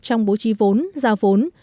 trong bố trí vốn giao vốn